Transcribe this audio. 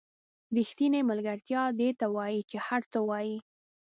ریښتینې ملګرتیا دې ته وایي چې هر څه وایئ.